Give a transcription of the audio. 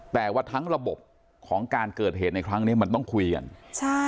แต่ว่าทั้งระบบของการเกิดเหตุในครั้งเนี้ยมันต้องคุยกันใช่